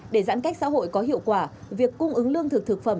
để giãn cách xã hội có hiệu quả việc cung ứng lương thực thực phẩm